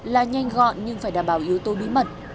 là nhanh gọn nhưng phải đảm bảo yếu tố bí mật